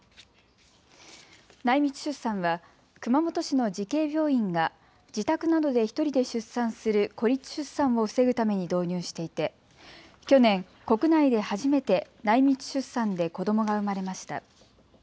内密出産は熊本市の慈恵病院が自宅などで１人で出産する孤立出産を防ぐために導入していて去年、国内で初めて内密出産で子どもが生まれました。